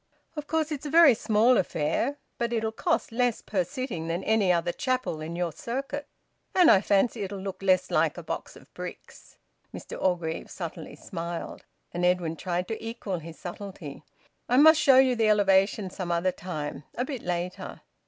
"Of course it's a very small affair, but it'll cost less per sitting than any other chapel in your circuit, and I fancy it'll look less like a box of bricks." Mr Orgreave subtly smiled, and Edwin tried to equal his subtlety. "I must show you the elevation some other time a bit later.